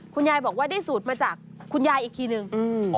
คุณยายบอกว่าได้สูตรมาจากคุณยายอีกทีนึง